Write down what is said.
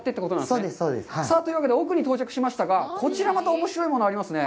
そうです、そうです。というわけで奥に到着しましたが、こちら、また、おもしろいものがありますね。